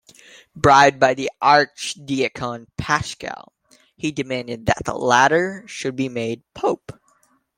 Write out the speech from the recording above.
Bribed by the archdeacon Paschal, he demanded that the latter should be made pope.